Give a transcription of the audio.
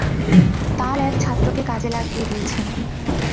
তাঁর এক ছাত্রকে কাজে লাগিয়ে দিয়েছেন।